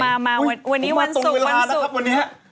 ผมมาตรงเวลานะครับวันนี้